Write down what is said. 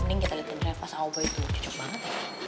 mending kita liatin reva sama boy tuh cocok banget ya